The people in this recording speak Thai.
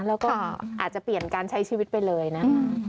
แล้วก็อาจจะเปลี่ยนการใช้ชีวิตไปเลยนะคะ